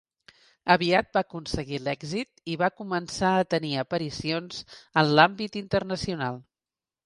Aviat va aconseguir l'èxit, i va començar a tenir aparicions en l'àmbit internacional.